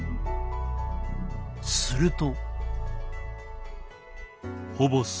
すると。